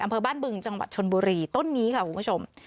อำเภอบ้านบึงจังหวัดชนบุรีต้นนี้ค่ะคุณผู้ชม